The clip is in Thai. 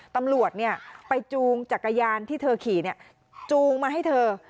ตำรวจไปจูงจักรยานที่เธอขี่จูงมาให้เธอ